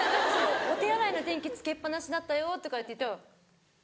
「お手洗いの電気つけっ放しだったよ」とかって言うと。